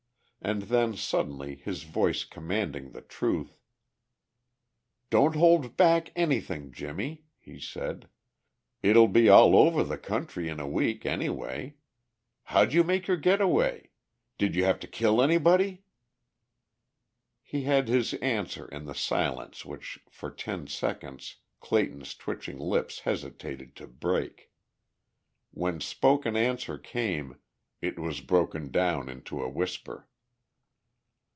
And then, suddenly, his voice commanding the truth: "Don't hold back anything, Jimmie," he said. "It'll be all over the country in a week, anyway. How'd you make your get away? Did you have to kill anybody?" He had his answer in the silence which for ten seconds Clayton's twitching lips hesitated to break. When spoken answer came it was broken down into a whisper.